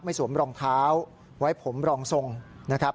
สวมรองเท้าไว้ผมรองทรงนะครับ